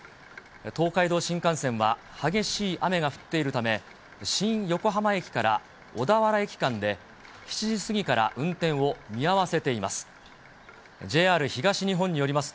東海道新幹線は、激しい雨が降っているため、新横浜駅から小田原駅間で、７時過ぎから運転を見合わせています。